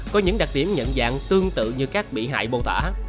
có những đặc điểm nhận dạng tương tự như các bị hại bâu tả